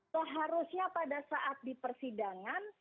seharusnya pada saat di persidangan